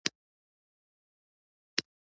احمد يو په يو ناروغ شو.